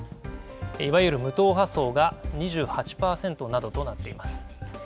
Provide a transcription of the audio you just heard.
いわゆる無党派層が２８％などとなっています。